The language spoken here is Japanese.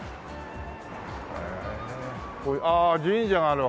ああ神社があるわ。